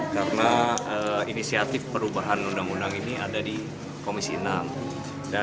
karena inisiatif perubahan undang undang ini ada di indonesia